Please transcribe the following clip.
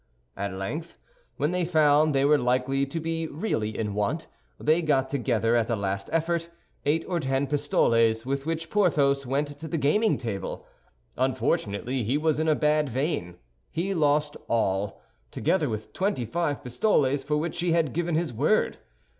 At length when they found they were likely to be really in want, they got together, as a last effort, eight or ten pistoles, with which Porthos went to the gaming table. Unfortunately he was in a bad vein; he lost all, together with twenty five pistoles for which he had given his word.